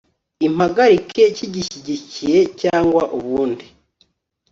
impagarike kigishyigikiye cyangwa ubundi